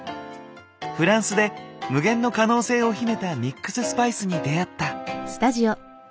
フランスで無限の可能性を秘めたミックススパイスに出会った。